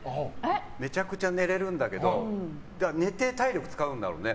めちゃくちゃ寝れるんだけど寝て、体力を使うんだろうね。